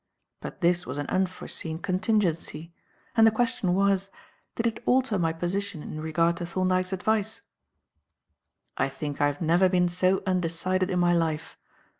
But this was an unforeseen contingency; and the question was, did it alter my position in regard to Thorndyke's advice? I think I have never been so undecided in my life.